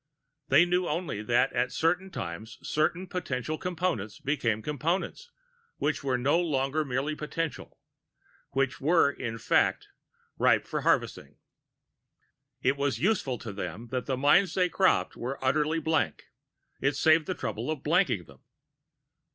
They knew only that, at certain times, certain potential Components became Components which were no longer merely potential which were, in fact, ripe for harvesting. It was useful to them that the minds they cropped were utterly blank. It saved the trouble of blanking them.